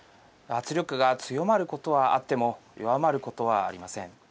圧力が強まることはあっても弱まることはありません。